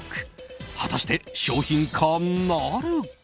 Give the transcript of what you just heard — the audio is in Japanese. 果たして商品化なるか？